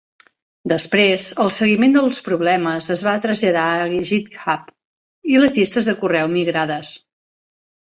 Després, el seguiment dels problemes es va traslladar a GitHub i les llistes de correu migrades.